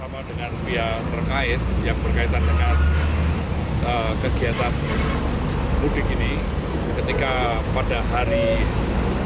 bersama dengan pihak terkait yang berkaitan dengan